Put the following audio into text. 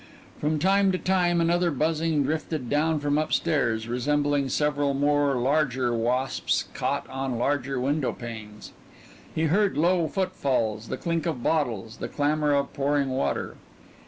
From time to time another buzzing drifted down from up stairs, resembling several more larger wasps caught on larger window panes. He heard low footfalls, the clink of bottles, the clamor of pouring water.